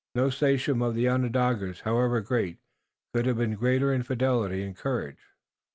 No sachem of the Onondagas, however great, could have been greater in fidelity and courage."